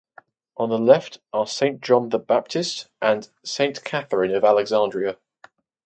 On the left are Saint John the Baptist and Saint Catherine of Alexandria.